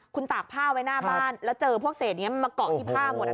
คุณตากผ้าไว้หน้าบ้านแล้วเจอพวกเศษนี้มาเกาะที่ผ้าหมด